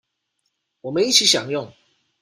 我們一起享用